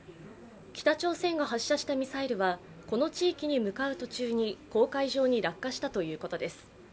北朝鮮が発射したミサイルはこの地域に向かう途中に公海上に落下したということです。